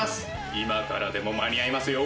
今からでも間に合いますよ。